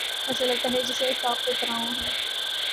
ایسا لگتاہے جیسے اعصاب پہ تناؤ ہے۔